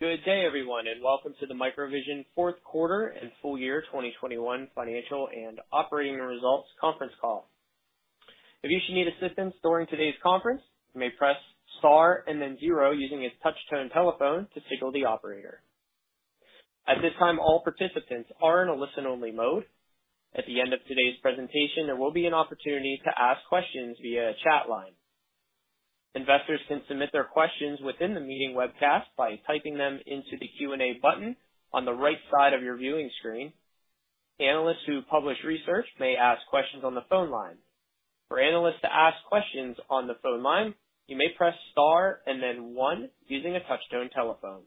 Good day everyone, and welcome to the MicroVision fourth quarter and full year 2021 financial and operating results conference call. If you should need assistance during today's conference, you may press star and then zero using a touchtone telephone to signal the operator. At this time, all participants are in a listen-only mode. At the end of today's presentation, there will be an opportunity to ask questions via chat line. Investors can submit their questions within the meeting webcast by typing them into the Q&A button on the right side of your viewing screen. Analysts who publish research may ask questions on the phone line. For analysts to ask questions on the phone line, you may press star and then one using a touchtone telephone.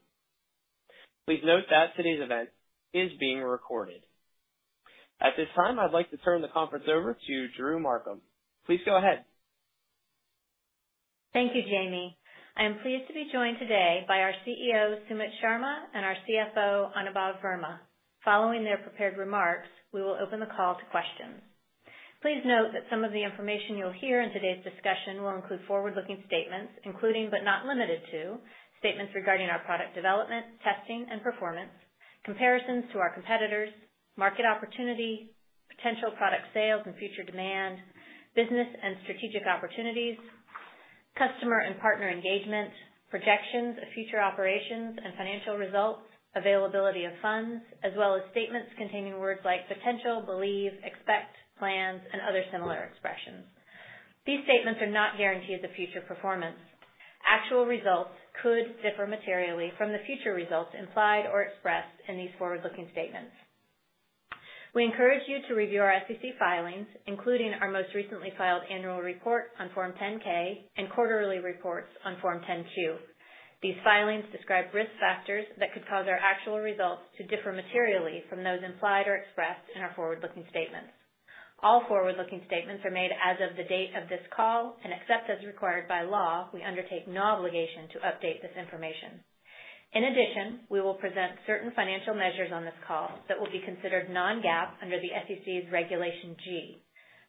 Please note that today's event is being recorded. At this time, I'd like to turn the conference over to Drew Markham. Please go ahead. Thank you, Jamie. I am pleased to be joined today by our CEO, Sumit Sharma, and our CFO, Anubhav Verma. Following their prepared remarks, we will open the call to questions. Please note that some of the information you'll hear in today's discussion will include forward-looking statements, including but not limited to, statements regarding our product development, testing and performance, comparisons to our competitors, market opportunity, potential product sales and future demand, business and strategic opportunities, customer and partner engagement, projections of future operations and financial results, availability of funds, as well as statements containing words like potential, believe, expect, plans, and other similar expressions. These statements are not guarantees of future performance. Actual results could differ materially from the future results implied or expressed in these forward-looking statements. We encourage you to review our SEC filings, including our most recently filed annual report on Form 10-K and quarterly reports on Form 10-Q. These filings describe risk factors that could cause our actual results to differ materially from those implied or expressed in our forward-looking statements. All forward-looking statements are made as of the date of this call, and except as required by law, we undertake no obligation to update this information. In addition, we will present certain financial measures on this call that will be considered non-GAAP under the SEC's Regulation G.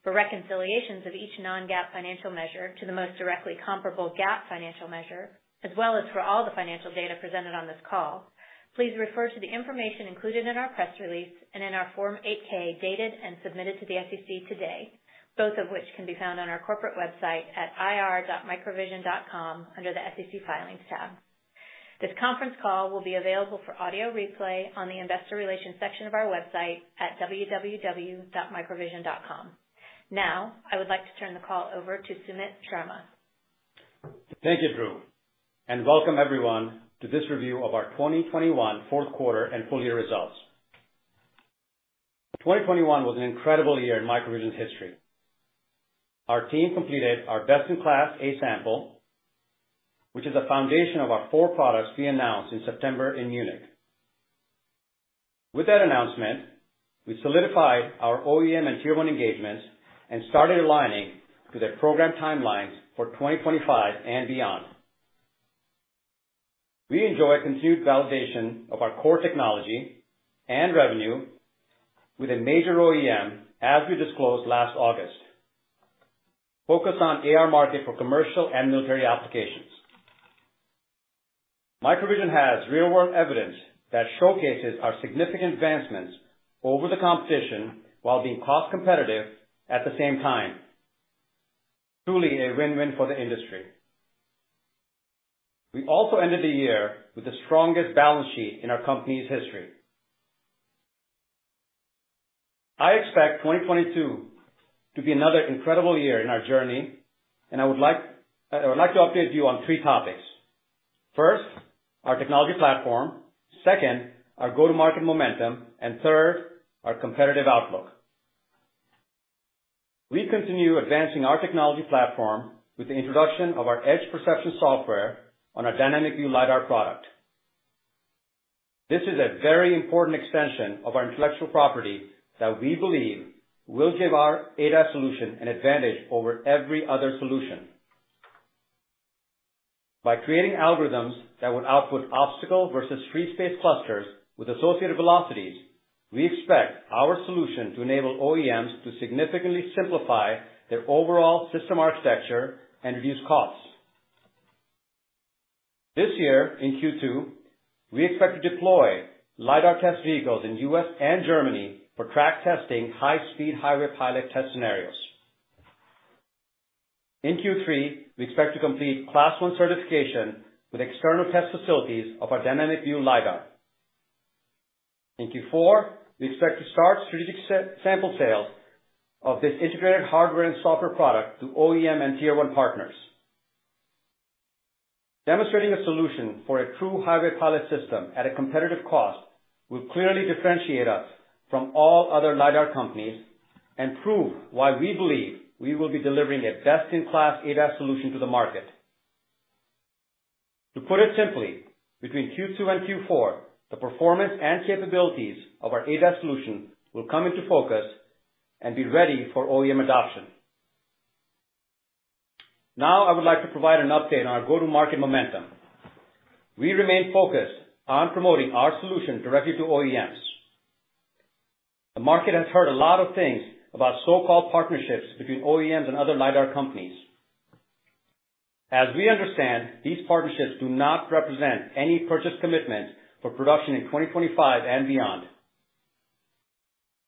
For reconciliations of each non-GAAP financial measure to the most directly comparable GAAP financial measure, as well as for all the financial data presented on this call, please refer to the information included in our press release and in our Form 8-K dated and submitted to the SEC today, both of which can be found on our corporate website at ir.microvision.com under the SEC Filings tab. This conference call will be available for audio replay on the investor relations section of our website at www.microvision.com. Now, I would like to turn the call over to Sumit Sharma. Thank you, Drew, and welcome everyone to this review of our 2021 fourth quarter and full year results. 2021 was an incredible year in MicroVision's history. Our team completed our best-in-class A sample, which is the foundation of our four products we announced in September in Munich. With that announcement, we solidified our OEM and Tier 1 engagements and started aligning to their program timelines for 2025 and beyond. We enjoy continued validation of our core technology and revenue with a major OEM, as we disclosed last August. Focus on AR market for commercial and military applications. MicroVision has real-world evidence that showcases our significant advancements over the competition while being cost competitive at the same time. Truly a win-win for the industry. We also ended the year with the strongest balance sheet in our company's history. I expect 2022 to be another incredible year in our journey. I would like to update you on three topics. First, our technology platform. Second, our go-to-market momentum. Third, our competitive outlook. We continue advancing our technology platform with the introduction of our edge perception software on our Dynamic View lidar product. This is a very important extension of our intellectual property that we believe will give our ADAS solution an advantage over every other solution. By creating algorithms that would output obstacle versus free space clusters with associated velocities, we expect our solution to enable OEMs to significantly simplify their overall system architecture and reduce costs. This year in Q2, we expect to deploy lidar test vehicles in U.S. and Germany for track testing high speed Highway Pilot test scenarios. In Q3, we expect to complete Class 1 certification with external test facilities of our Dynamic View lidar. In Q4, we expect to start strategic sample sales of this integrated hardware and software product to OEM and Tier 1 partners. Demonstrating a solution for a true Highway Pilot system at a competitive cost will clearly differentiate us from all other lidar companies and prove why we believe we will be delivering a best-in-class ADAS solution to the market. To put it simply, between Q2 and Q4, the performance and capabilities of our ADAS solution will come into focus and be ready for OEM adoption. Now, I would like to provide an update on our go-to-market momentum. We remain focused on promoting our solution directly to OEMs. The market has heard a lot of things about so-called partnerships between OEMs and other lidar companies. As we understand, these partnerships do not represent any purchase commitment for production in 2025 and beyond.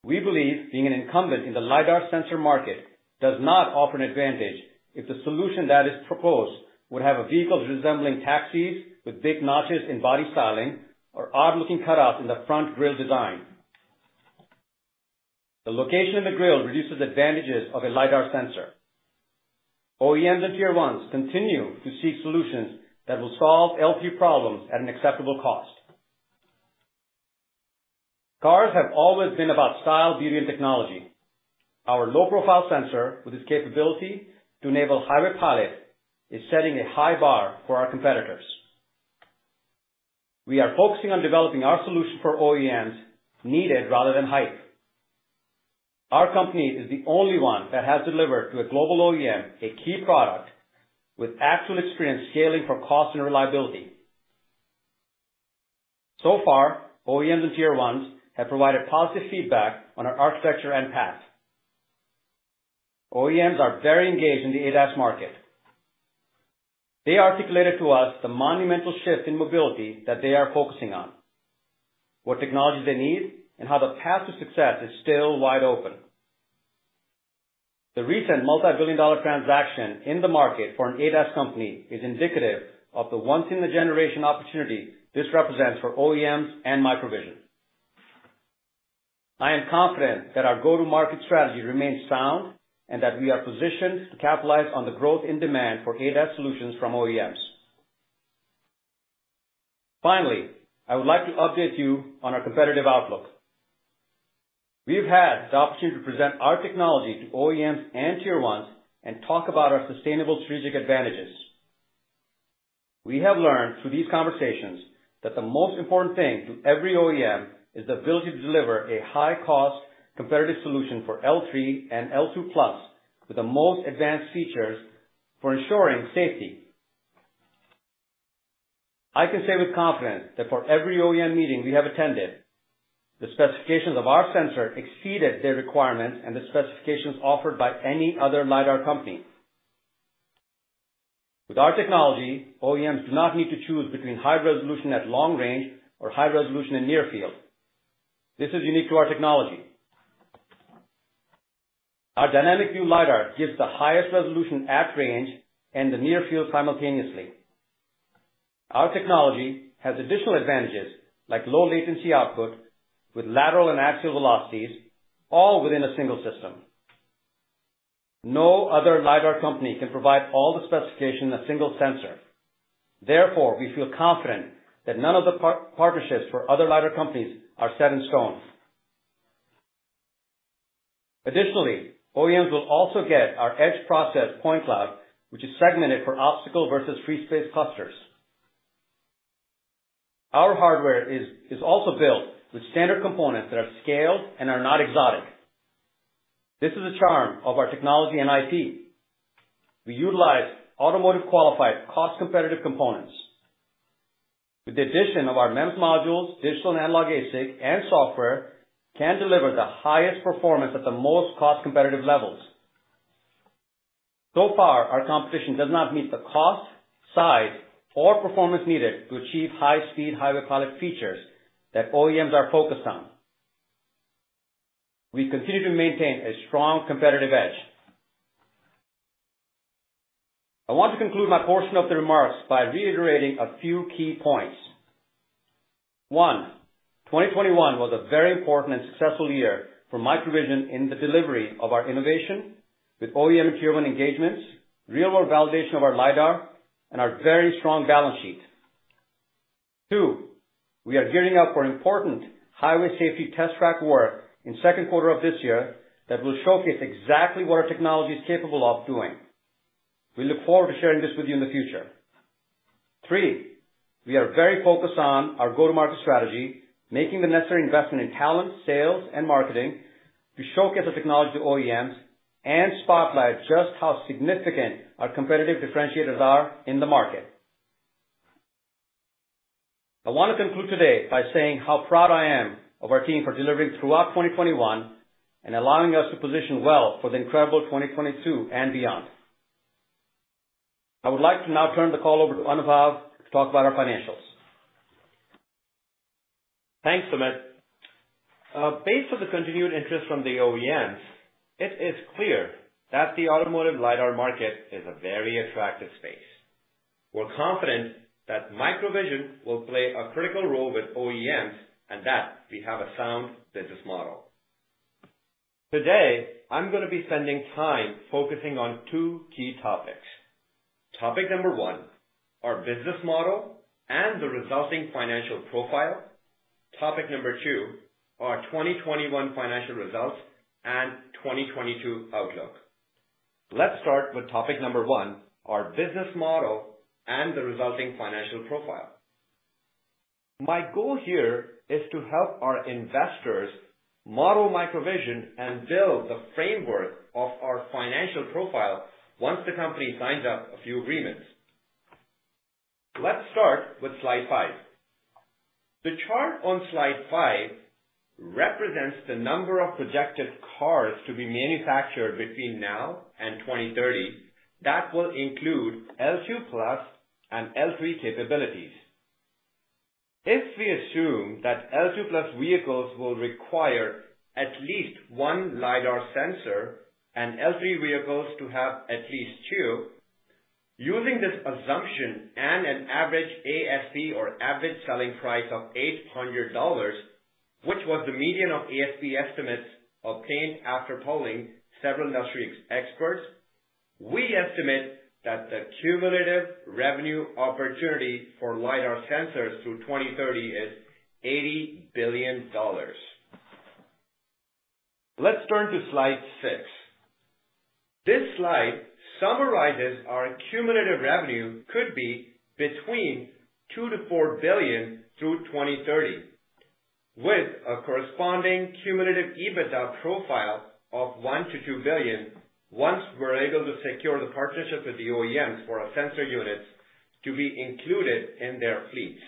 We believe being an incumbent in the lidar sensor market does not offer an advantage if the solution that is proposed would have a vehicles resembling taxis with big notches in body styling or odd-looking cutouts in the front grille design. The location of the grille reduces advantages of a lidar sensor. OEMs and Tier 1 continue to seek solutions that will solve lidar problems at an acceptable cost. Cars have always been about style, beauty, and technology. Our low-profile sensor with its capability to enable Highway Pilot is setting a high bar for our competitors. We are focusing on developing our solution for OEMs needed rather than hype. Our company is the only one that has delivered to a global OEM a key product with actual experience scaling for cost and reliability. So far, OEMs and Tier 1 have provided positive feedback on our architecture and path. OEMs are very engaged in the ADAS market. They articulated to us the monumental shift in mobility that they are focusing on, what technologies they need, and how the path to success is still wide open. The recent multi-billion-dollar transaction in the market for an ADAS company is indicative of the once-in-a-generation opportunity this represents for OEMs and MicroVision. I am confident that our go-to-market strategy remains sound and that we are positioned to capitalize on the growth in demand for ADAS solutions from OEMs. Finally, I would like to update you on our competitive outlook. We've had the opportunity to present our technology to OEMs and Tier 1 and talk about our sustainable strategic advantages. We have learned through these conversations that the most important thing to every OEM is the ability to deliver a low-cost, competitive solution for L3 and L2+ with the most advanced features for ensuring safety. I can say with confidence that for every OEM meeting we have attended, the specifications of our sensor exceeded their requirements and the specifications offered by any other lidar company. With our technology, OEMs do not need to choose between high resolution at long range or high resolution in near field. This is unique to our technology. Our Dynamic View lidar gives the highest resolution at range and the near field simultaneously. Our technology has additional advantages like low latency output with lateral and axial velocities all within a single system. No other lidar company can provide all the specifications in a single sensor. Therefore, we feel confident that none of the partnerships for other lidar companies are set in stone. Additionally, OEMs will also get our edge-processed point cloud, which is segmented for obstacle versus free space clusters. Our hardware is also built with standard components that are scaled and are not exotic. This is the charm of our technology and IP. We utilize automotive-qualified cost-competitive components. With the addition of our MEMS modules, digital and analog ASIC, and software can deliver the highest performance at the most cost-competitive levels. So far, our competition does not meet the cost, size, or performance needed to achieve high-speed Highway Pilot features that OEMs are focused on. We continue to maintain a strong competitive edge. I want to conclude my portion of the remarks by reiterating a few key points. One, 2021 was a very important and successful year for MicroVision in the delivery of our innovation with OEM and Tier 1 engagements, real-world validation of our lidar, and our very strong balance sheet. Two, we are gearing up for important highway safety test track work in second quarter of this year that will showcase exactly what our technology is capable of doing. We look forward to sharing this with you in the future. Three, we are very focused on our go-to-market strategy, making the necessary investment in talent, sales and marketing to showcase the technology to OEMs and spotlight just how significant our competitive differentiators are in the market. I want to conclude today by saying how proud I am of our team for delivering throughout 2021 and allowing us to position well for the incredible 2022 and beyond. I would like to now turn the call over to Anubhav to talk about our financials. Thanks, Sumit. Based on the continued interest from the OEMs, it is clear that the automotive lidar market is a very attractive space. We're confident that MicroVision will play a critical role with OEMs and that we have a sound business model. Today, I'm gonna be spending time focusing on two key topics. Topic number one, our business model and the resulting financial profile. Topic number two, our 2021 financial results and 2022 outlook. Let's start with topic number one, our business model and the resulting financial profile. My goal here is to help our investors model MicroVision and build the framework of our financial profile once the company signs up a few agreements. Let's start with slide five. The chart on slide five represents the number of projected cars to be manufactured between now and 2030 that will include L2+ and L3 capabilities. If we assume that L2+ vehicles will require at least one lidar sensor and L3 vehicles to have at least two, using this assumption and an average ASP or Average Selling Price of $800, which was the median of ASP estimates obtained after polling several industry experts, we estimate that the cumulative revenue opportunity for lidar sensors through 2030 is $80 billion. Let's turn to slide six. This slide summarizes our cumulative revenue could be between $2 billion-$4 billion through 2030, with a corresponding cumulative EBITDA profile of $1 billion-$2 billion once we're able to secure the partnerships with the OEMs for our sensor units to be included in their fleets.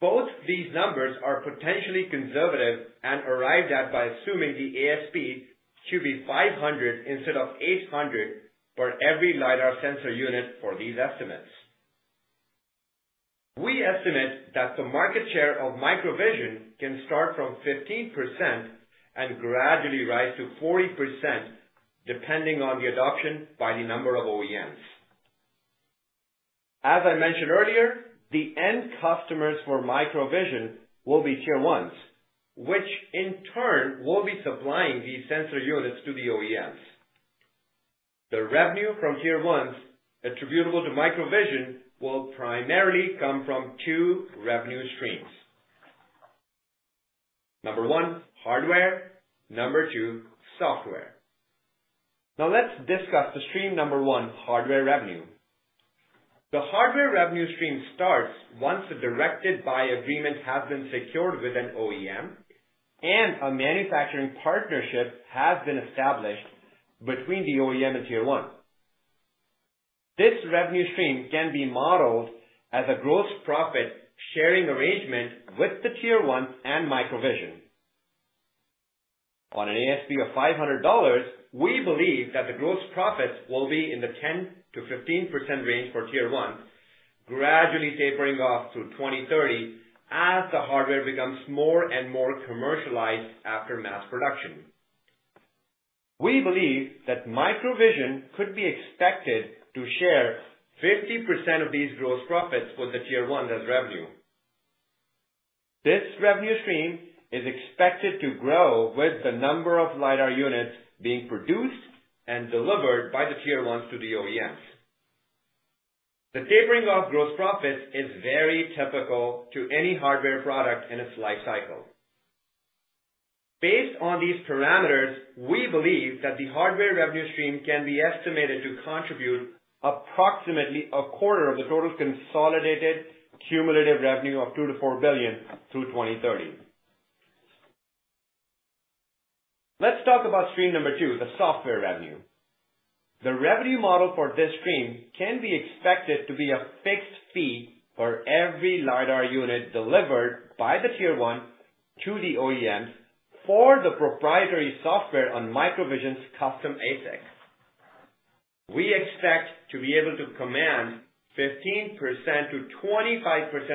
Both these numbers are potentially conservative and arrived at by assuming the ASP to be $500 instead of $800 for every lidar sensor unit for these estimates. We estimate that the market share of MicroVision can start from 15% and gradually rise to 40% depending on the adoption by the number of OEMs. As I mentioned earlier, the end customers for MicroVision will be Tier 1, which in turn will be supplying these sensor units to the OEMs. The revenue from Tier 1 attributable to MicroVision will primarily come from two revenue streams. One, hardware. Two, software. Now let's discuss the stream one, hardware revenue. The hardware revenue stream starts once the directed buy agreement has been secured with an OEM and a manufacturing partnership has been established between the OEM and Tier 1. This revenue stream can be modeled as a gross profit sharing arrangement with the Tier 1 and MicroVision. On an ASP of $500, we believe that the gross profits will be in the 10%-15% range for Tier 1, gradually tapering off through 2030 as the hardware becomes more and more commercialized after mass production. We believe that MicroVision could be expected to share 50% of these gross profits with the tier one as revenue. This revenue stream is expected to grow with the number of lidar units being produced and delivered by the Tier 1 to the OEMs. The tapering of gross profits is very typical to any hardware product in its life cycle. Based on these parameters, we believe that the hardware revenue stream can be estimated to contribute approximately a quarter of the total consolidated cumulative revenue of $2 billion-$4 billion through 2030. Let's talk about stream number two, the software revenue. The revenue model for this stream can be expected to be a fixed fee for every lidar unit delivered by the Tier 1 to the OEMs for the proprietary software on MicroVision's custom ASICs. We expect to be able to command 15%-25%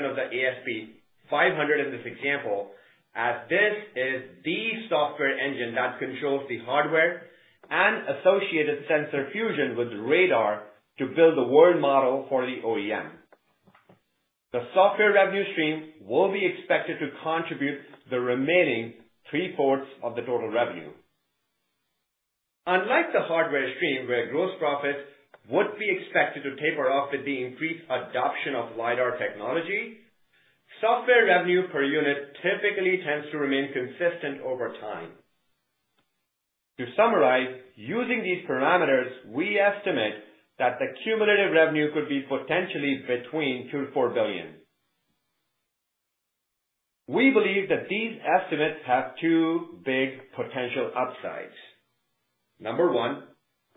of the ASP, $500 in this example, as this is the software engine that controls the hardware and associated sensor fusion with radar to build the world model for the OEM. The software revenue stream will be expected to contribute the remaining three-fourths of the total revenue. Unlike the hardware stream, where gross profits would be expected to taper off with the increased adoption of lidar technology, software revenue per unit typically tends to remain consistent over time. To summarize, using these parameters, we estimate that the cumulative revenue could be potentially between $2 billion-$4 billion. We believe that these estimates have two big potential upsides. Number one,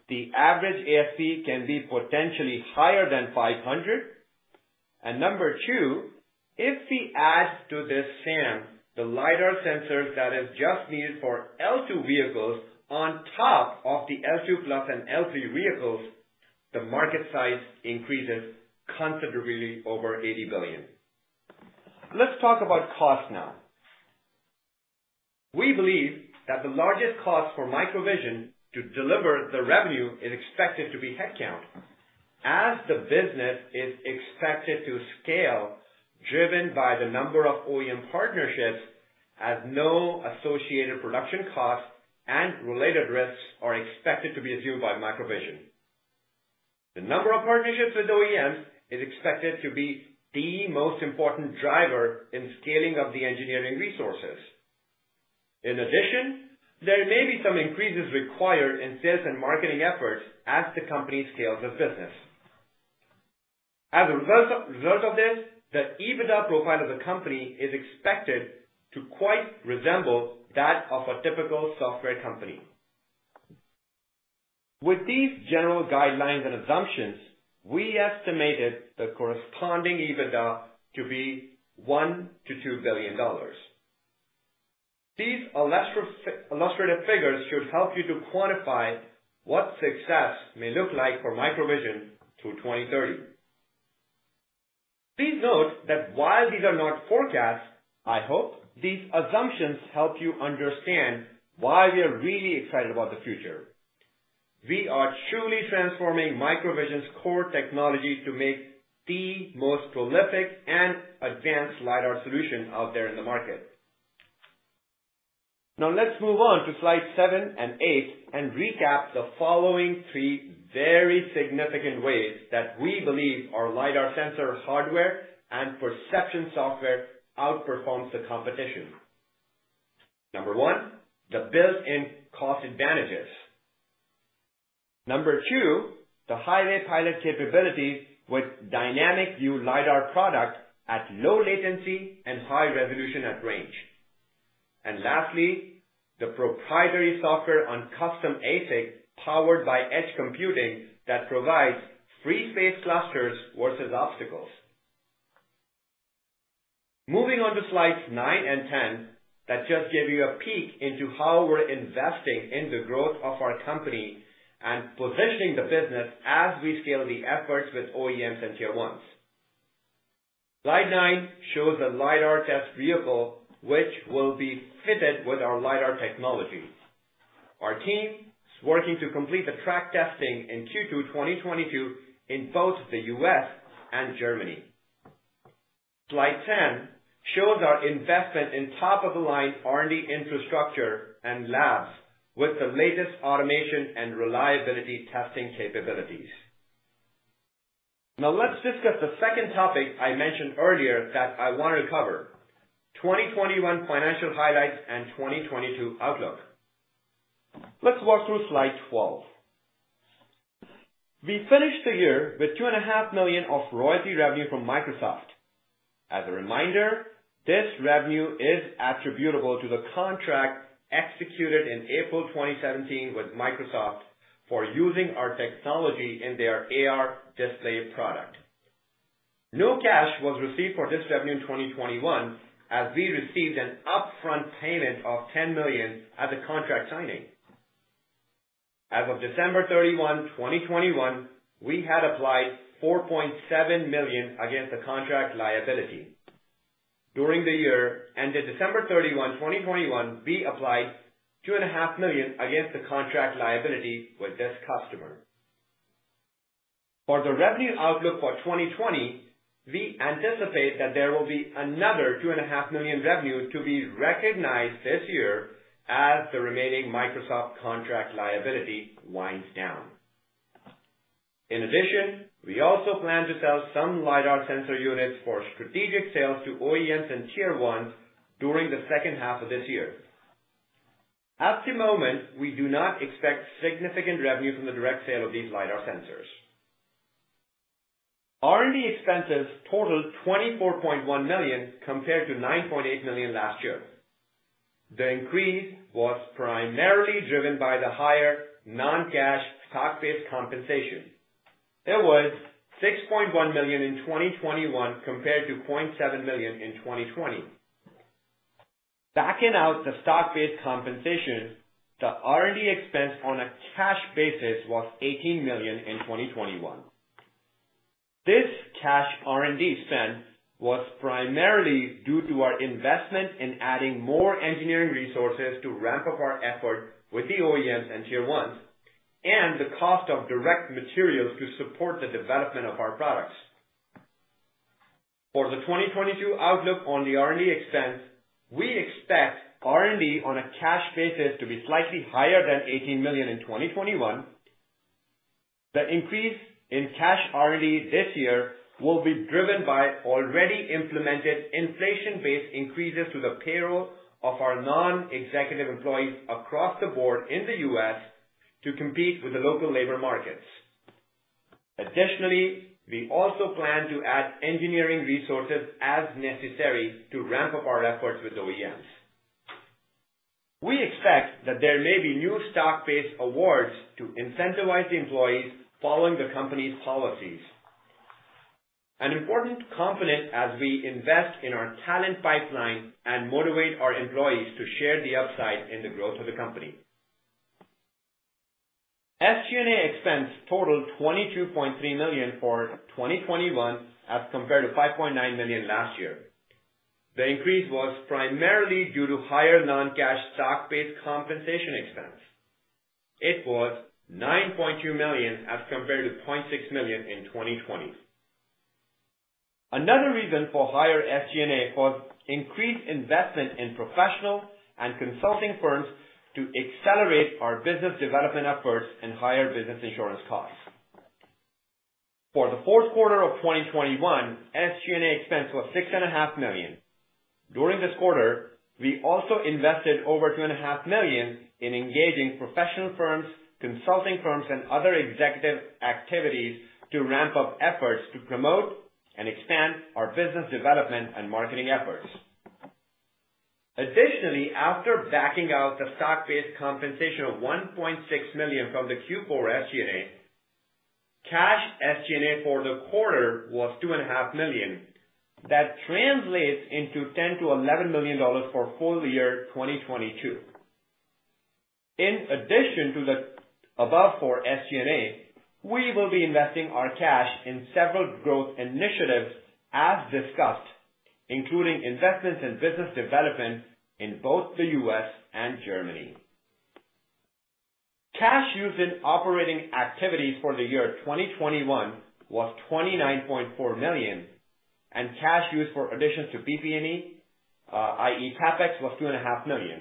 the average ASP can be potentially higher than $500. Number two, if we add to this SAM, the lidar sensors that is just needed for L2 vehicles on top of the L2+ and L3 vehicles, the market size increases considerably over $80 billion. Let's talk about cost now. We believe that the largest cost for MicroVision to deliver the revenue is expected to be headcount, as the business is expected to scale driven by the number of OEM partnerships at no associated production costs and related risks are expected to be assumed by MicroVision. The number of partnerships with OEMs is expected to be the most important driver in scaling of the engineering resources. In addition, there may be some increases required in sales and marketing efforts as the company scales this business. As a result of this, the EBITDA profile of the company is expected to quite resemble that of a typical software company. With these general guidelines and assumptions, we estimated the corresponding EBITDA to be $1 billion-$2 billion. These illustrated figures should help you to quantify what success may look like for MicroVision through 2030. Please note that while these are not forecasts, I hope these assumptions help you understand why we are really excited about the future. We are truly transforming MicroVision's core technology to make the most prolific and advanced lidar solution out there in the market. Now let's move on to slide seven and eight and recap the following three very significant ways that we believe our lidar sensor hardware and perception software outperforms the competition. Number one, the built-in cost advantages. Number two, the Highway Pilot capabilities with dynamic view lidar product at low latency and high resolution at range. Lastly, the proprietary software on custom ASIC powered by edge computing that provides free space clusters versus obstacles. Moving on to slides nine and 10, that just gave you a peek into how we're investing in the growth of our company and positioning the business as we scale the efforts with OEMs and tier ones. Slide nine, shows a lidar test vehicle which will be fitted with our lidar technologies. Our team is working to complete the track testing in Q2 2022 in both the U.S. and Germany. Slide 10 shows our investment in top-of-the-line R&D infrastructure and labs with the latest automation and reliability testing capabilities. Now let's discuss the second topic I mentioned earlier that I wanna cover. 2021 financial highlights and 2022 outlook. Let's walk through slide 12. We finished the year with $2.5 million of royalty revenue from Microsoft. As a reminder, this revenue is attributable to the contract executed in April 2017 with Microsoft for using our technology in their AR display product. No cash was received for this revenue in 2021 as we received an upfront payment of $10 million at the contract signing. As of December 31, 2021, we had applied $4.7 million against the contract liability. During the year ended December 31, 2021, we applied $2.5 million against the contract liability with this customer. For the revenue outlook for 2022, we anticipate that there will be another $2.5 million revenue to be recognized this year as the remaining Microsoft contract liability winds down. In addition, we also plan to sell some lidar sensor units for strategic sales to OEMs and Tier 1 during the second half of this year. At the moment, we do not expect significant revenue from the direct sale of these lidar sensors. R&D expenses totaled $24.1 million compared to $9.8 million last year. The increase was primarily driven by the higher non-cash stock-based compensation. It was $6.1 million in 2021 compared to $0.7 million in 2020. Backing out the stock-based compensation, the R&D expense on a cash basis was $18 million in 2021. This cash R&D spend was primarily due to our investment in adding more engineering resources to ramp up our effort with the OEMs and Tier 1, and the cost of direct materials to support the development of our products. For the 2022 outlook on the R&D expense, we expect R&D on a cash basis to be slightly higher than $18 million in 2021. The increase in cash R&D this year will be driven by already implemented inflation-based increases to the payroll of our non-executive employees across the board in the U.S. to compete with the local labor markets. Additionally, we also plan to add engineering resources as necessary to ramp up our efforts with OEMs. We expect that there may be new stock-based awards to incentivize the employees following the company's policies. An important component as we invest in our talent pipeline and motivate our employees to share the upside in the growth of the company. SG&A expense totaled $22.3 million for 2021 as compared to $5.9 million last year. The increase was primarily due to higher non-cash stock-based compensation expense. It was $9.2 million as compared to $0.6 million in 2020. Another reason for higher SG&A was increased investment in professional and consulting firms to accelerate our business development efforts and higher business insurance costs. For the fourth quarter of 2021, SG&A expense was $6.5 million. During this quarter, we also invested over $2.5 million in engaging professional firms, consulting firms, and other executive activities to ramp up efforts to promote and expand our business development and marketing efforts. Additionally, after backing out the stock-based compensation of $1.6 million from the Q4 SG&A, cash SG&A for the quarter was $2.5 million. That translates into $10 million-$11 million for full year 2022. In addition to the above for SG&A, we will be investing our cash in several growth initiatives as discussed, including investments in business development in both the U.S. and Germany. Cash used in operating activities for the year 2021 was $29.4 million, and cash used for additions to PP&E, CapEx, was $2.5 million.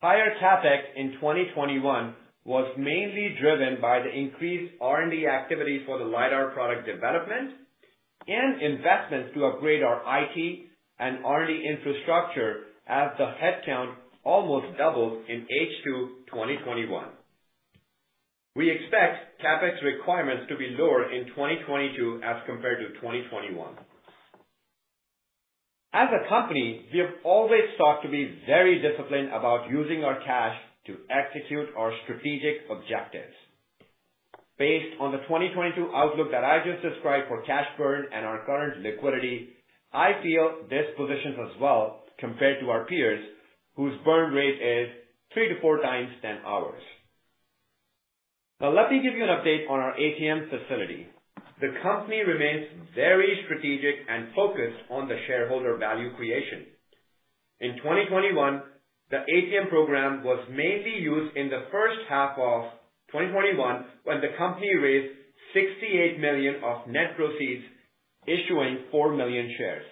Higher CapEx in 2021 was mainly driven by the increased R&D activity for the lidar product development and investments to upgrade our IT and R&D infrastructure as the headcount almost doubled in H2 2021. We expect CapEx requirements to be lower in 2022 as compared to 2021. As a company, we have always sought to be very disciplined about using our cash to execute our strategic objectives. Based on the 2022 outlook that I just described for cash burn and our current liquidity, I feel this positions us well compared to our peers, whose burn rate is 3x-4x than ours. Now, let me give you an update on our ATM facility. The company remains very strategic and focused on the shareholder value creation. In 2021, the ATM program was mainly used in the first half of 2021, when the company raised $68 million of net proceeds, issuing 4 million shares,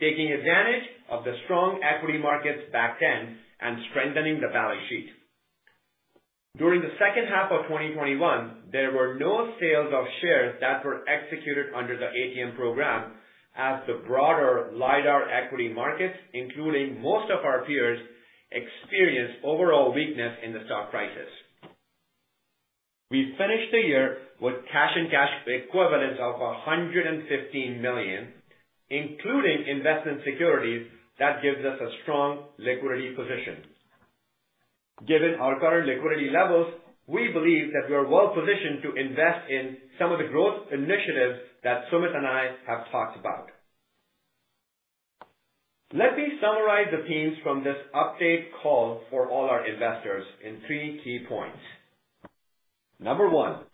taking advantage of the strong equity markets back then and strengthening the balance sheet. During the second half of 2021, there were no sales of shares that were executed under the ATM program as the broader lidar equity markets, including most of our peers, experienced overall weakness in the stock prices. We finished the year with cash and cash equivalents of $115 million, including investment securities that gives us a strong liquidity position. Given our current liquidity levels, we believe that we are well positioned to invest in some of the growth initiatives that Sumit and I have talked about. Let me summarize the themes from this update call for all our investors in three key points. Number one,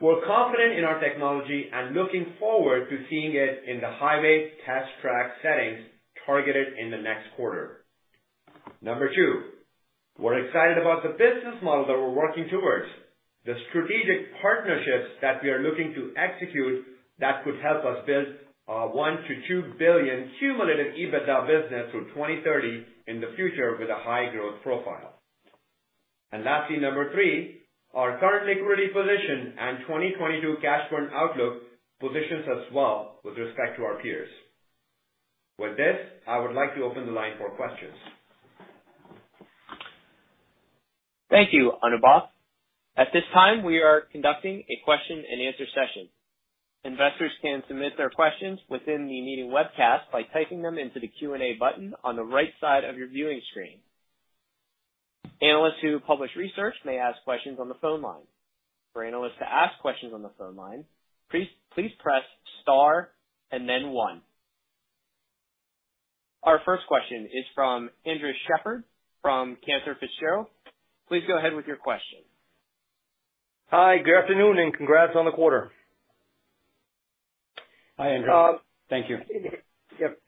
we're confident in our technology and looking forward to seeing it in the highway test track settings targeted in the next quarter. Number two, we're excited about the business model that we're working towards, the strategic partnerships that we are looking to execute that could help us build $1 billion-$2 billion cumulative EBITDA business through 2030 in the future with a high growth profile. Lastly, number three, our current liquidity position and 2022 cash burn outlook positions us well with respect to our peers. With this, I would like to open the line for questions. Thank you, Anubhav. At this time, we are conducting a question-and-answer session. Investors can submit their questions within the meeting webcast by typing them into the Q&A button on the right side of your viewing screen. Analysts who publish research may ask questions on the phone line. For analysts to ask questions on the phone line, please press star and then one. Our first question is from Andres Sheppard from Cantor Fitzgerald. Please go ahead with your question. Hi, good afternoon, and congrats on the quarter. Hi, Andres. Thank you. Yep.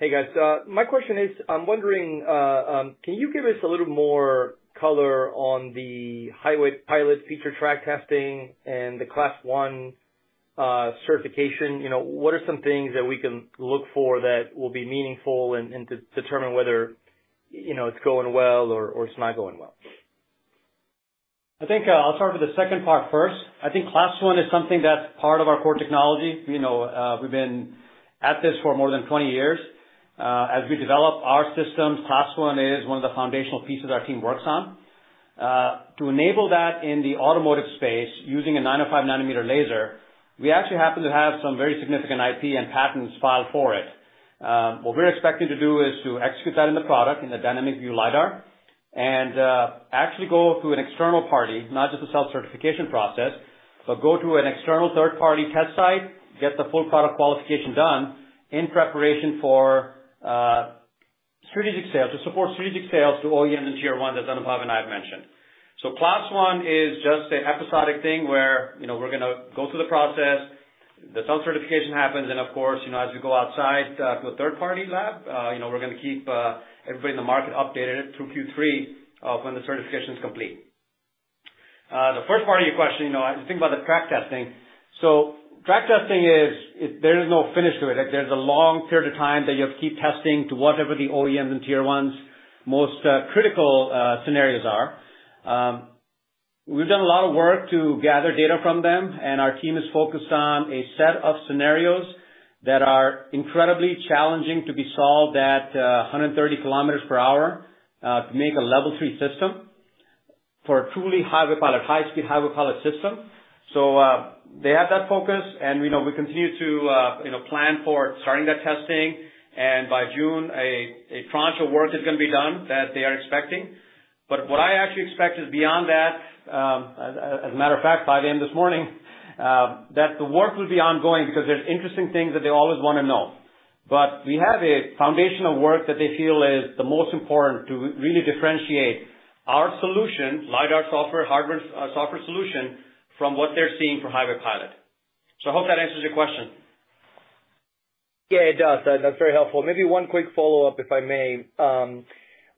Hey, guys. My question is, I'm wondering, can you give us a little more color on the Highway Pilot feature track testing and the Class 1 certification? You know, what are some things that we can look for that will be meaningful and determine whether, you know, it's going well or it's not going well? I think, I'll start with the second part first. I think Class 1 is something that's part of our core technology. You know, we've been at this for more than 20 years. As we develop our systems, Class 1 is one of the foundational pieces our team works on. To enable that in the automotive space using a 905 nm laser, we actually happen to have some very significant IP and patents filed for it. What we're expecting to do is to execute that in the product, in the MAVIN DR and, actually go through an external party, not just a self-certification process, but go to an external third-party test site, get the full product qualification done in preparation for strategic sales, to support strategic sales to OEMs and tier ones as Anubhav and I have mentioned. Class 1 is just an episodic thing where, you know, we're gonna go through the process. The self-certification happens and of course, you know, as we go outside to a third-party lab, you know, we're gonna keep everybody in the market updated through Q3 when the certification's complete. The first part of your question, you know, I think about the track testing. Track testing is. There is no finish to it. Like, there's a long period of time that you have to keep testing to whatever the OEMs and Tier 1s most critical scenarios are. We've done a lot of work to gather data from them, and our team is focused on a set of scenarios that are incredibly challenging to be solved at 130 km/h to make a Level 3 system. For a truly Highway Pilot, high speed Highway Pilot system. They have that focus and, you know, we continue to, you know, plan for starting that testing and by June a tranche of work is gonna be done that they are expecting. What I actually expect is beyond that, as a matter of fact, by the end of this morning, that the work will be ongoing because there's interesting things that they always wanna know. We have a foundational work that they feel is the most important to really differentiate our solution, lidar software, hardware, software solution from what they're seeing for Highway Pilot. I hope that answers your question. Yeah, it does. That's very helpful. Maybe one quick follow-up if I may.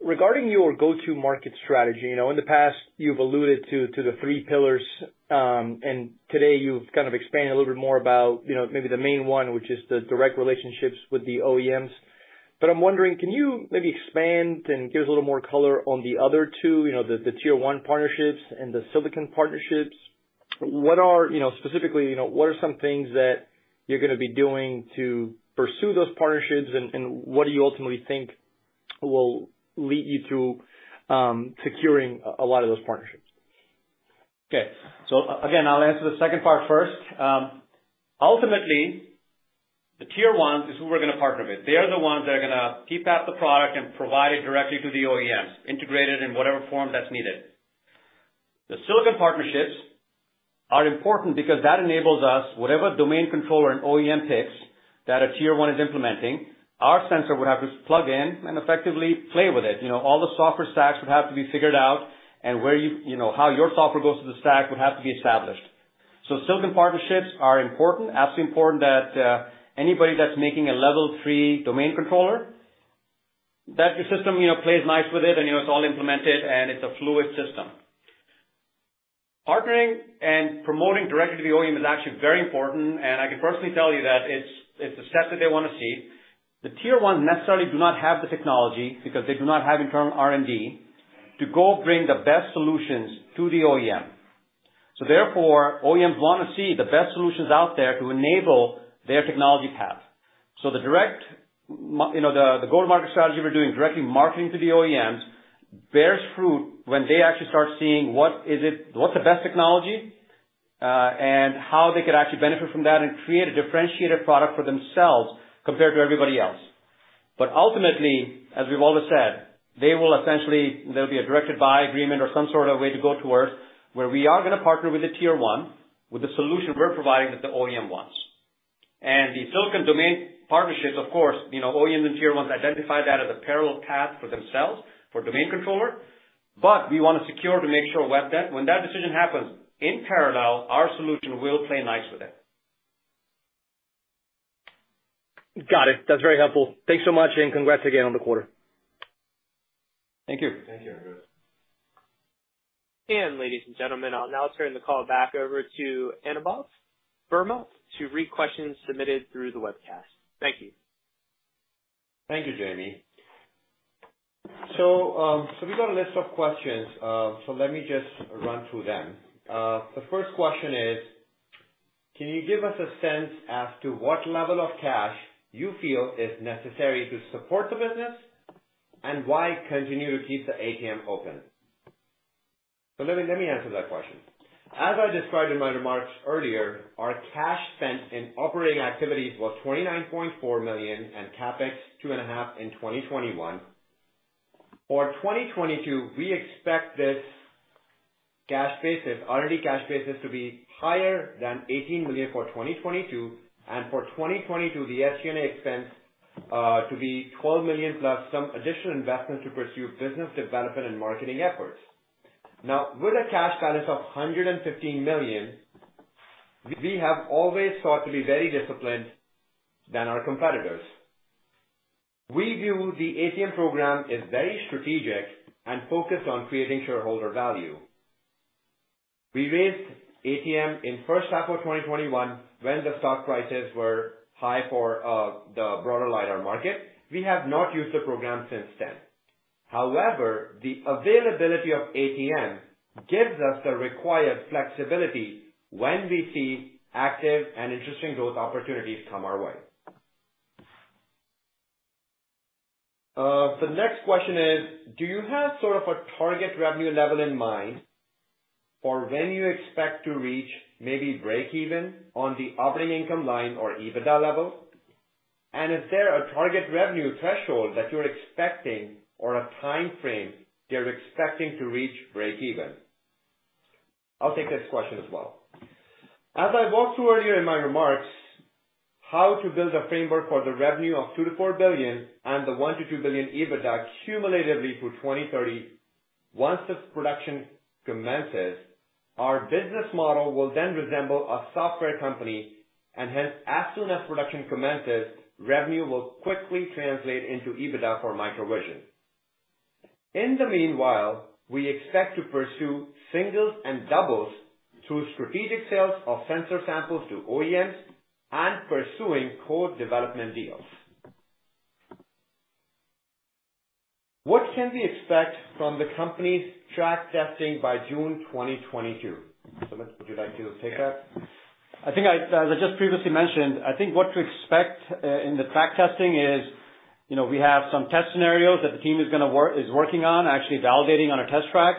Regarding your go-to-market strategy. You know, in the past you've alluded to the three pillars, and today you've kind of expanded a little bit more about, you know, maybe the main one, which is the direct relationships with the OEMs. I'm wondering, can you maybe expand and give us a little more color on the other two, you know, the tier one partnerships and the silicon partnerships? What are, specifically, what are some things that you're gonna be doing to pursue those partnerships? What do you ultimately think will lead you to securing a lot of those partnerships? Okay. Again, I'll answer the second part first. Ultimately the Tier 1 is who we're gonna partner with. They are the ones that are gonna bring out the product and provide it directly to the OEMs, integrated in whatever form that's needed. The silicon partnerships are important because that enables us, whatever domain controller an OEM picks that a Tier 1 is implementing, our sensor would have to plug in and effectively play with it. You know, all the software stacks would have to be figured out and where you know, how your software goes through the stack would have to be established. Silicon partnerships are important. Absolutely important that anybody that's making a Level 3 domain controller, that the system you know plays nice with it and you know it's all implemented and it's a fluid system. Partnering and promoting directly to the OEM is actually very important, and I can personally tell you that it's the step that they wanna see. The Tier 1 necessarily do not have the technology because they do not have internal R&D to go bring the best solutions to the OEM. Therefore, OEMs wanna see the best solutions out there to enable their technology path. The direct, you know, the go-to-market strategy we're doing, directly marketing to the OEMs, bears fruit when they actually start seeing what's the best technology, and how they could actually benefit from that and create a differentiated product for themselves compared to everybody else. Ultimately, as we've always said, they will essentially, there'll be a directed buy agreement or some sort of way to go to work where we are gonna partner with a Tier 1 with the solution we're providing that the OEM wants. The silicon domain partnerships, of course, you know, OEMs and Tier 1 identify that as a parallel path for themselves for domain controller, but we wanna secure to make sure we have that. When that decision happens, in parallel, our solution will play nice with it. Got it. That's very helpful. Thanks so much and congrats again on the quarter. Thank you. Thank you. Ladies and gentlemen, I'll now turn the call back over to Anubhav Verma to read questions submitted through the webcast. Thank you. Thank you, Jamie. We got a list of questions. Let me just run through them. The first question is, can you give us a sense as to what level of cash you feel is necessary to support the business and why continue to keep the ATM open? Let me answer that question. As I described in my remarks earlier, our cash spent in operating activities was $29.4 million and CapEx $2.5 million in 2021. For 2022, we expect this cash basis R&D cash basis to be higher than $18 million for 2022. For 2022, the SG&A expense to be $12 million plus some additional investment to pursue business development and marketing efforts. Now, with a cash balance of $115 million, we have always sought to be more disciplined than our competitors. We view the ATM program as very strategic and focused on creating shareholder value. We raised ATM in first half of 2021 when the stock prices were high for the broader lidar market. We have not used the program since then. However, the availability of ATM gives us the required flexibility when we see active and interesting growth opportunities come our way. The next question is. Do you have sort of a target revenue level in mind for when you expect to reach maybe breakeven on the operating income line or EBITDA level? And is there a target revenue threshold that you're expecting or a timeframe you're expecting to reach breakeven? I'll take this question as well. As I walked through earlier in my remarks how to build a framework for the revenue of $2 billion-$4 billion and the $1 billion-$2 billion EBITDA cumulatively through 2030, once this production commences, our business model will then resemble a software company, and hence, as soon as production commences, revenue will quickly translate into EBITDA for MicroVision. In the meanwhile, we expect to pursue singles and doubles through strategic sales of sensor samples to OEMs and pursuing code development deals. What can we expect from the company's track testing by June 2022? Sumit, would you like to take that? As I just previously mentioned, I think what to expect in the track testing is you know, we have some test scenarios that the team is working on, actually validating on a test track.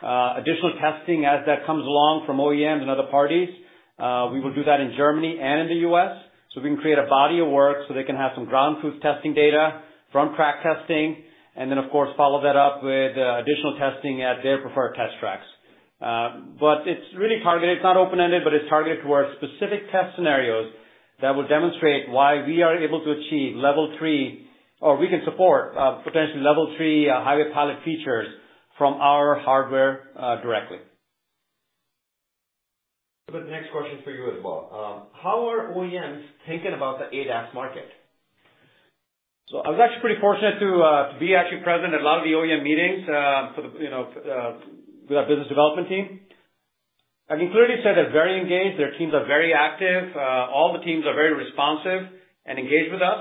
Additional testing as that comes along from OEMs and other parties, we will do that in Germany and in the U.S. so we can create a body of work so they can have some ground truth testing data from track testing and then of course, follow that up with additional testing at their preferred test tracks. It's really targeted. It's not open-ended, but it's targeted towards specific test scenarios that will demonstrate why we are able to achieve level three, or we can support potentially Level 3 Highway Pilot features from our hardware directly. The next question is for you as well. How are OEMs thinking about the ADAS market? I was actually pretty fortunate to be actually present at a lot of the OEM meetings for the, you know, with our business development team. I can clearly say they're very engaged. Their teams are very active. All the teams are very responsive and engaged with us,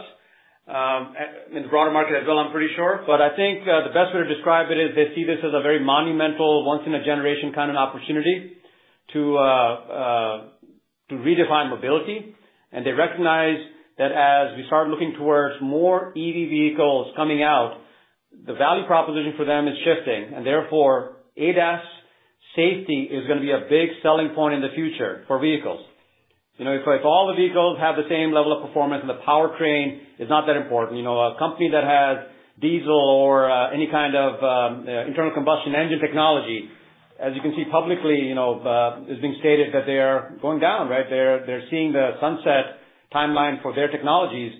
and in the broader market as well, I'm pretty sure. I think the best way to describe it is they see this as a very monumental, once in a generation kind of opportunity to redefine mobility. They recognize that as we start looking towards more EV vehicles coming out, the value proposition for them is shifting and therefore ADAS safety is gonna be a big selling point in the future for vehicles. You know, if all the vehicles have the same level of performance and the powertrain is not that important, you know, a company that has diesel or any kind of internal combustion engine technology, as you can see publicly, you know, is being stated that they are going down, right? They're seeing the sunset timeline for their technologies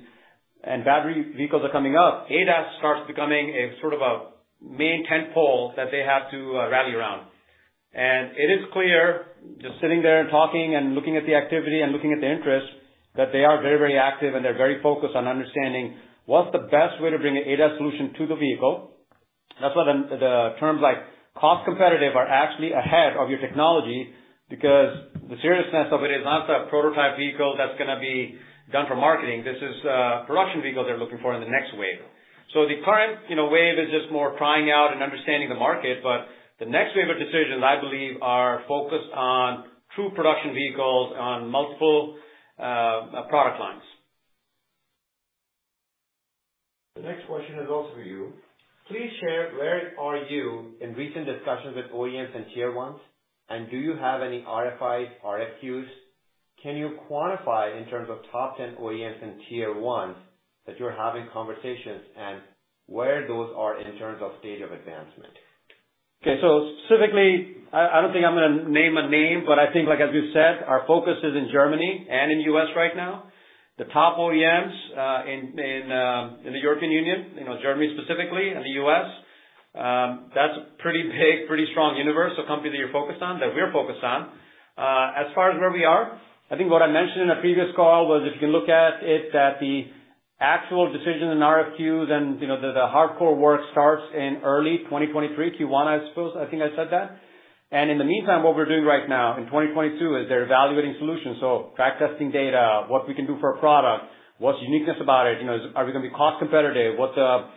and battery vehicles are coming up. ADAS starts becoming a sort of a main tent pole that they have to rally around. It is clear, just sitting there and talking and looking at the activity and looking at the interest, that they are very, very active and they're very focused on understanding what's the best way to bring an ADAS solution to the vehicle. That's why the terms like cost competitive are actually ahead of your technology because the seriousness of it is not a prototype vehicle that's gonna be done for marketing. This is production vehicle they're looking for in the next wave. The current, you know, wave is just more trying out and understanding the market, but the next wave of decisions, I believe are focused on true production vehicles on multiple product lines. The next question is also for you. Please share where are you in recent discussions with OEMs and Tier 1, and do you have any RFIs, RFQs? Can you quantify in terms of top 10 OEMs and Tier 1 that you're having conversations and where those are in terms of stage of advancement? Okay. Specifically, I don't think I'm gonna name a name, but I think like as you said, our focus is in Germany and in U.S. right now. The top OEMs in the European Union, you know, Germany specifically and the U.S., that's a pretty big, pretty strong universe of company that you're focused on, that we're focused on. As far as where we are, I think what I mentioned in a previous call was if you look at it that the actual decisions in RFQs and, you know, the hardcore work starts in early 2023, Q1 I suppose, I think I said that. In the meantime, what we're doing right now in 2022 is they're evaluating solutions, so track testing data, what we can do for a product, what's uniqueness about it, you know, are we gonna be cost competitive? What's the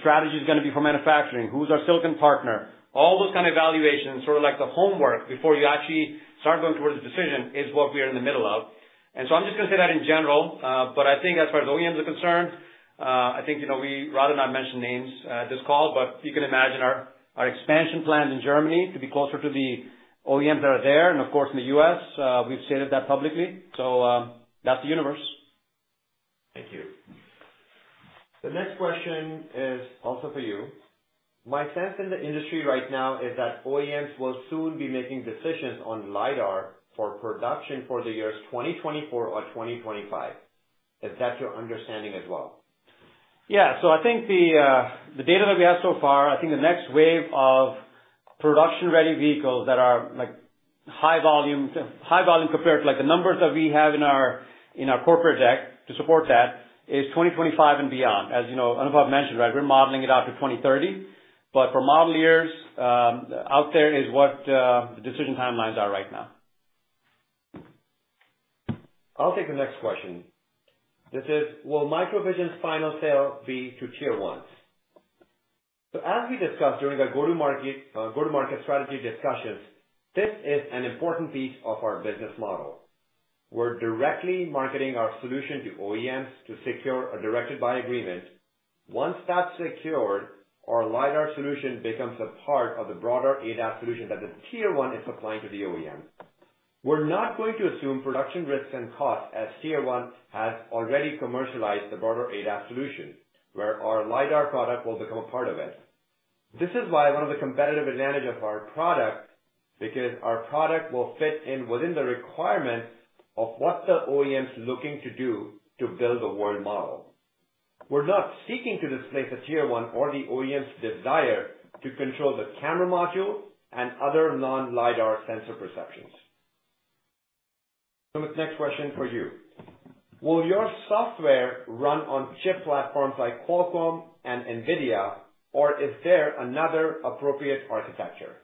strategy gonna be for manufacturing? Who's our silicon partner? All those kind of evaluations, sort of like the homework before you actually start going towards a decision is what we are in the middle of. I'm just gonna say that in general. But I think as far as OEMs are concerned, I think, you know, we rather not mention names at this call, but you can imagine our expansion plans in Germany to be closer to the OEMs that are there and of course in the U.S., we've stated that publicly. That's the universe. Thank you. The next question is also for you. My sense in the industry right now is that OEMs will soon be making decisions on lidar for production for the years 2024 or 2025. Is that your understanding as well? Yeah. I think the data that we have so far, I think the next wave of production-ready vehicles that are like high volume compared to like the numbers that we have in our corporate deck to support that is 2025 and beyond. As you know, Anubhav mentioned, right, we're modeling it out to 2030, but for model years out there is what the decision timelines are right now. I'll take the next question. This is, will MicroVision's final sale be to Tier 1? As we discussed during our go to market strategy discussions, this is an important piece of our business model. We're directly marketing our solution to OEMs to secure a directed buy agreement. Once that's secured, our lidar solution becomes a part of the broader ADAS solution that the Tier 1 is supplying to the OEM. We're not going to assume production risks and costs as Tier 1 has already commercialized the broader ADAS solution, where our lidar product will become a part of it. This is why one of the competitive advantage of our product, because our product will fit in within the requirement of what the OEM's looking to do to build a world model. We're not seeking to displace a Tier 1 or the OEM's desire to control the camera module and other non-lidar sensor perceptions. Sumit, next question for you. Will your software run on chip platforms like Qualcomm and NVIDIA or is there another appropriate architecture?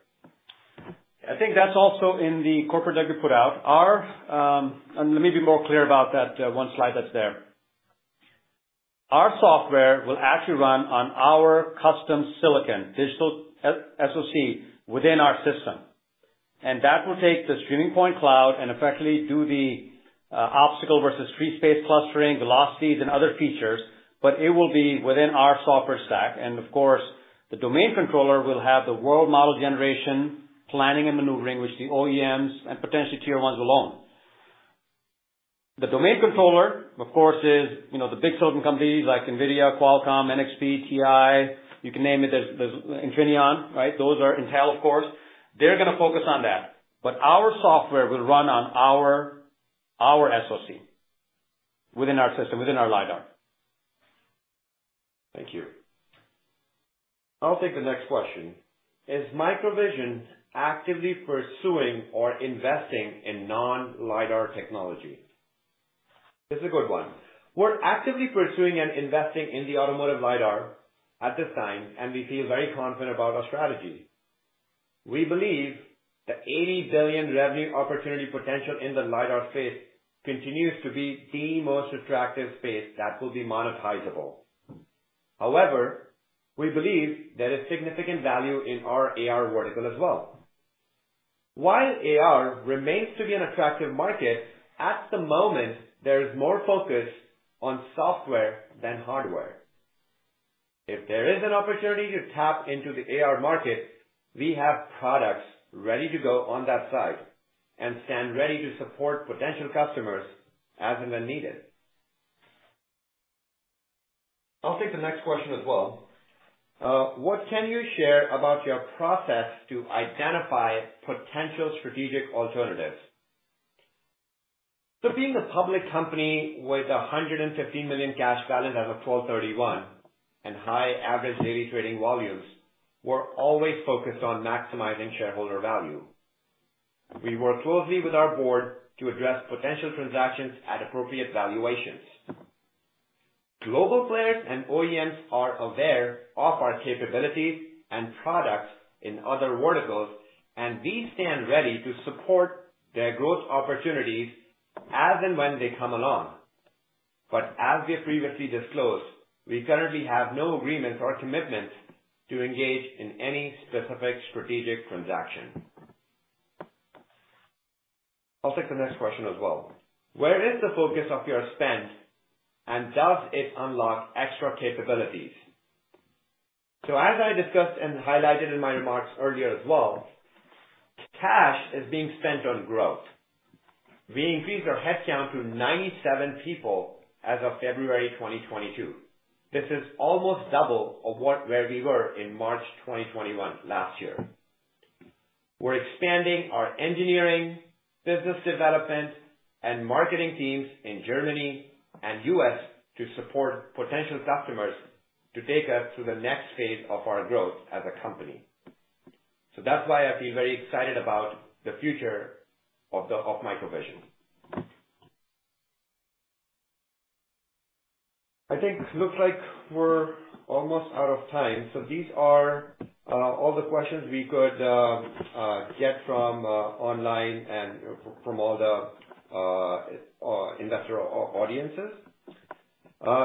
I think that's also in the corporate deck we put out. Let me be more clear about that one slide that's there. Our software will actually run on our custom silicon digital SoC within our system. That will take the streaming point cloud and effectively do the obstacle versus free space clustering, velocities and other features, but it will be within our software stack. Of course, the domain controller will have the world model generation, planning and maneuvering, which the OEMs and potentially Tier 1 alone. The domain controller, of course, is, you know, the big tech companies like NVIDIA, Qualcomm, NXP, TI, you can name it. There's Infineon, right? There's Intel, of course. They're gonna focus on that. Our software will run on our SoC within our system, within our lidar. Thank you. I'll take the next question, is MicroVision actively pursuing or investing in non-lidar technology? This is a good one. We're actively pursuing and investing in the automotive lidar at this time, and we feel very confident about our strategy. We believe the $80 billion revenue opportunity potential in the lidar space continues to be the most attractive space that will be monetizable. However, we believe there is significant value in our AR vertical as well. While AR remains to be an attractive market, at the moment, there is more focus on software than hardware. If there is an opportunity to tap into the AR market, we have products ready to go on that side and stand ready to support potential customers as and when needed. I'll take the next question as well. What can you share about your process to identify potential strategic alternatives? Being a public company with a $115 million cash balance as of March 31 and high average daily trading volumes, we're always focused on maximizing shareholder value. We work closely with our board to address potential transactions at appropriate valuations. Global players and OEMs are aware of our capabilities and products in other verticals, and we stand ready to support their growth opportunities as and when they come along. As we previously disclosed, we currently have no agreements or commitments to engage in any specific strategic transaction. I'll take the next question as well. Where is the focus of your spend, and does it unlock extra capabilities? As I discussed and highlighted in my remarks earlier as well, cash is being spent on growth. We increased our headcount to 97 people as of February 2022. This is almost double of what we were in March 2021 last year. We're expanding our engineering, business development and marketing teams in Germany and U.S. to support potential customers to take us to the next phase of our growth as a company. That's why I feel very excited about the future of MicroVision. I think it looks like we're almost out of time. These are all the questions we could get from online and from all the investor audiences.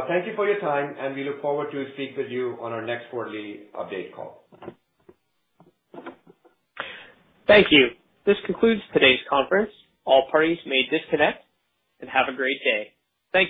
Thank you for your time, and we look forward to speak with you on our next quarterly update call. Thank you. This concludes today's conference. All parties may disconnect and have a great day. Thank you.